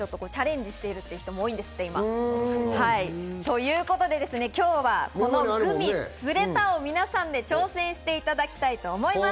どこまで長いグミができるかというのにチャレンジしている人が多いんですって。ということで、今日はこの「グミつれた」を皆さんで挑戦していただきたいと思います。